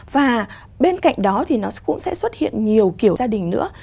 và bên cạnh đó thì nó cũng sẽ xuất hiện nhiều kiểu gia đình nữa